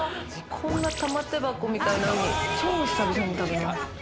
こんな玉手箱みたいなウニ超久々に食べます。